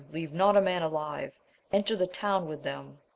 leave not a man alive ! enter the town with them